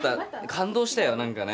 感動したよ何かね。